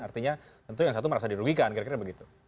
artinya tentu yang satu merasa dirugikan kira kira begitu